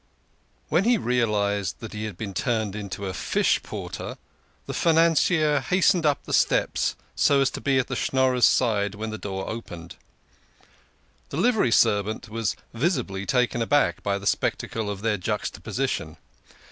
WHEN he realised that he had been turned into a fish porter, the financier hastened up the steps so as to be at the Schnorrer's side when the door opened. The livery servant was visibly taken aback by the spectacle of their juxtaposition.